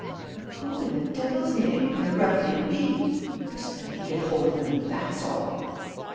But who, in the devil's name, can the ruffian be?... Just let me get hold of him, that's all!..."